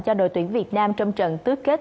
cho đội tuyển việt nam trong trận tứ kết